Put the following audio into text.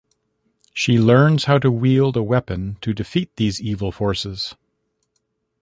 She learns how to wield a weapon to defeat these evil forces.